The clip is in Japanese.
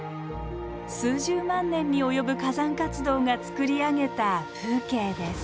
数十万年に及ぶ火山活動がつくり上げた風景です。